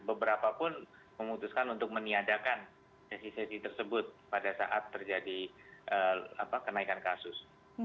beberapa pun memutuskan untuk meniadakan sesi sesi tersebut pada saat terjadi kenaikan kasus